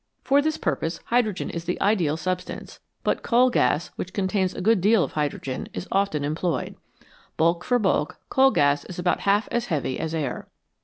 For this purpose hydrogen is the ideal substance, but coal gas, which con tains a good deal of hydrogen, is often employed. Bulk for bulk, coal gas is about half as heavy as air.